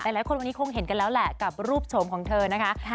หลายคนวันนี้คงเห็นกันแล้วแหละกับรูปโฉมของเธอนะคะ